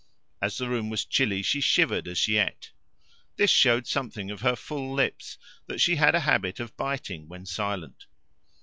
As the room was chilly, she shivered as she ate. This showed something of her full lips, that she had a habit of biting when silent.